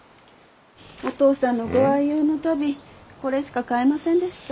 お義父さんのご愛用の足袋これしか買えませんでした。